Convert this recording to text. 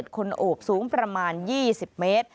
คนโอบสูงประมาณ๒๐เมตร